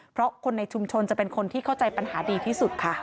เพราะคนในชุมชนจะเป็นคนที่เข้าใจปัญหาดีที่สุดค่ะ